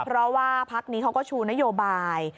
เพราะว่าพักนี้เขาก็ชูนโยบาย